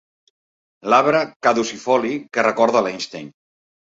L'arbre caducifoli que recorda l'Einstein.